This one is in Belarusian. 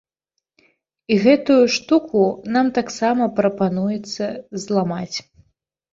І гэтую штуку нам таксама прапануецца зламаць.